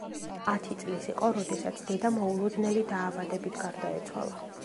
ათი წლის იყო, როდესაც დედა მოულოდნელი დაავადებით გარდაეცვალა.